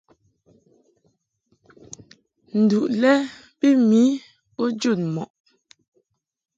Nduʼ lɛ bi mi bo jun mɔʼ.